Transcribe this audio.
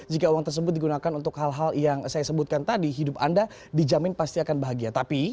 jika uang tersebut digunakan untuk hal hal yang saya sebutkan tadi hidup anda dijamin pasti akan bahagia